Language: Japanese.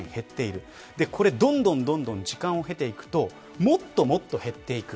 物価スライドでいくとどんどん時間を経ていくともっともっと減っていく。